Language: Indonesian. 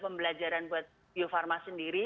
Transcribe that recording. pembelajaran buat bio farma sendiri